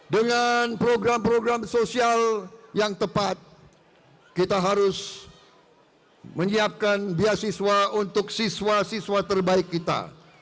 dengan program program sosial yang tepat kita harus menyiapkan biasiswa untuk siswa siswa terbaik kita